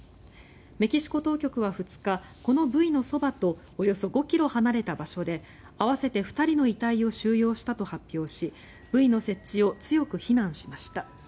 メキシコ当局は２日このブイのそばとおよそ５ｋｍ離れた場所で合わせて２人の遺体を収容したと発表しブイの設置を強く非難しました。